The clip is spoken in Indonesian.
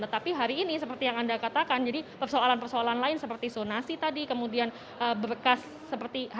tetapi hari ini seperti yang anda katakan jadi persoalan persoalan lain seperti sonasi tadi kemudian berkas seperti